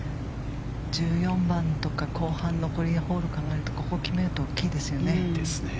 １４番とか後半残りホールを考えるとここを決めると大きいですよね。